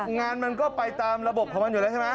งานมันก็ไปตามระบบของมันอยู่แล้วใช่ไหม